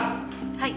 はい。